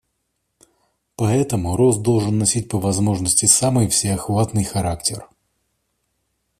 Поэтому рост должен носить по возможности самый всеохватный характер.